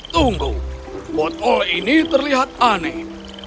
tunggu botol ini terlihat aneh